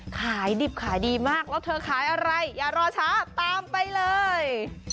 ขายดิบขายดีมากแล้วเธอขายอะไรอย่ารอช้าตามไปเลย